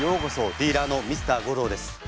ディーラーのＭｒ．ゴローです。